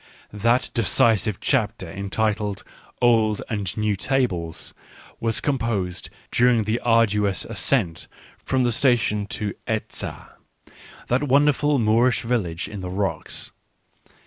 That decisive chapter, entitled " Old and New Tables," was composed during the arduous ascent from the station to Eza — that wonderful Moorish village in the rocks.